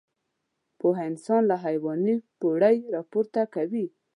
پوهه انسان له حيواني پوړۍ راپورته کوي.